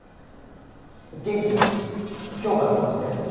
元気になったし今日からもっと増やすよ。